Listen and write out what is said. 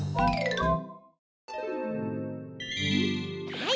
はい！